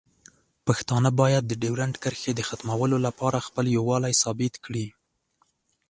پښتانه باید د ډیورنډ کرښې د ختمولو لپاره خپل یووالی ثابت کړي.